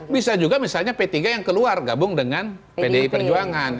bisa juga misalnya p tiga yang keluar gabung dengan pdi perjuangan